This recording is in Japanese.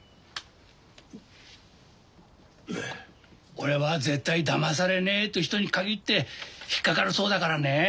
俺は絶対だまされねえって人にかぎって引っかかるそうだからね。